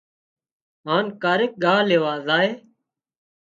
هانَ ڪاريڪ ڳاه ليوا زائي